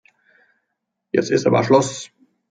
Jetzt ist aber Schluss!